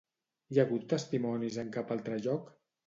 Hi ha hagut testimonis en cap altre lloc?